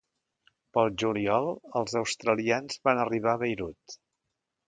Pel juliol, els australians van arribar a Beirut.